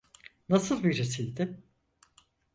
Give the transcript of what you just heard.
Nasıl birisiydi?